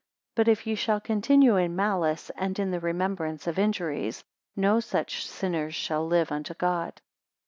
But if ye shall, continue in malice, and in the remembrance of injuries, no such sinners shall live unto God.